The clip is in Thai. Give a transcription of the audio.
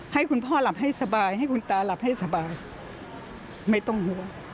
ให้คุณพ่อหลับให้สบายให้คุณตาหลับให้สบายไม่ต้องห่วง